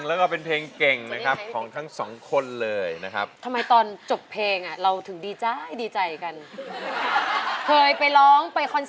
รักทั้งอำเผิน